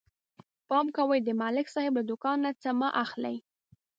پام کوئ د ملک صاحب له دوکان نه څه مه اخلئ